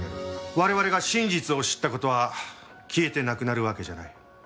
我々が真実を知った事は消えてなくなるわけじゃない。